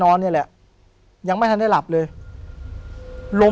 ผมก็ไม่เคยเห็นว่าคุณจะมาทำอะไรให้คุณหรือเปล่า